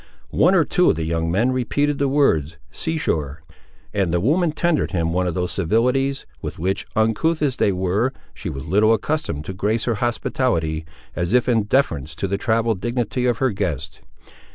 One or two of the young men repeated the words "sea shore" and the woman tendered him one of those civilities with which, uncouth as they were, she was little accustomed to grace her hospitality, as if in deference to the travelled dignity of her guest.